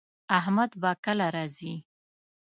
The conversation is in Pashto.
احمد به کله راځي